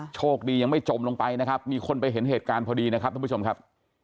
โชคดียังไม่จมลงไปนะครับมีคนไปเห็นเหตุการณ์พอดีนะครับท่านผู้ชมครับ